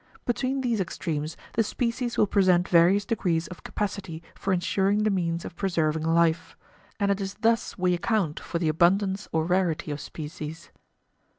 Between these extremes the species will present various degrees of capacity for ensuring the means of preserving life; and it is thus we account for the abundance or rarity of species.